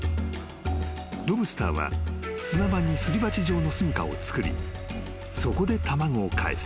［ロブスターは砂場にすり鉢状のすみかを作りそこで卵をかえす］